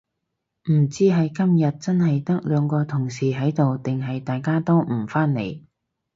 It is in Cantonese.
唔知係今日真係得兩個同事喺度定係大家都唔返嚟